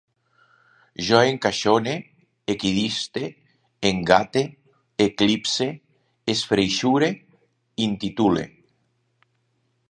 Jo encaixone, equidiste, engate, eclipse, esfreixure, intitule